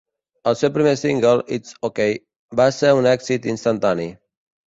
El seu primer single, "It's ok", va ser un èxit instantani.